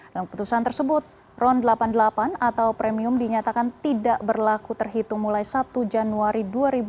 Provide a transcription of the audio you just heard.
dalam keputusan tersebut ron delapan puluh delapan atau premium dinyatakan tidak berlaku terhitung mulai satu januari dua ribu dua puluh